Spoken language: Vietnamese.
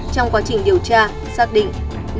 trong quá trình điều tra xác định